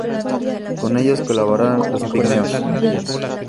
Con ellos colaboran los pigmeos.